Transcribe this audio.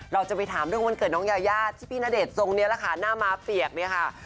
เราจะไปถามเรื่องวันเกิดน้องยายาที่พี่ณเดชน์ทรงนี้แหละค่ะหน้าม้าเปียกเนี่ยค่ะ